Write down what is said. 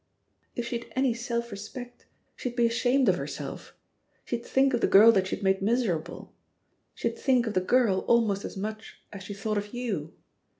"If she'd any self respect, she'd be ashamed of herself; she'd think of the girl that she had made miserable ; she'd think of the girl almost as much as she thought of you.